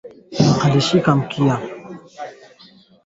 aliamuru kiasi cha wanajeshi mia saba hamsini wa Marekani